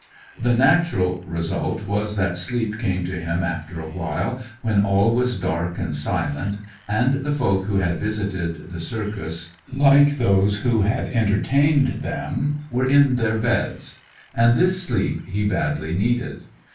The natural result was that sleep came to him after a while, when all was dark and silent, and the folk who had visited the circus, like those who had entertained them, were in their beds. And this sleep he badly needed.